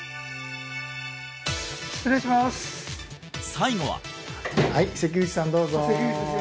最後ははい関口さんどうぞ関口です